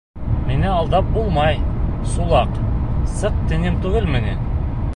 — Мине алдап булмай, Сулаҡ, сыҡ, тинем түгелме ни?